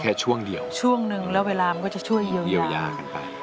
แค่ช่วงเดียวช่วงนึงแล้วเวลามันก็จะช่วยเยียวยากันไป